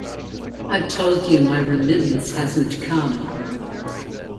I've told you my remittance hasn't come.